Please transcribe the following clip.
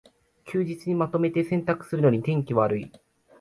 休日にまとめて洗濯するのに天気悪い